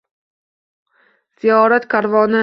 Ziyorat karvoni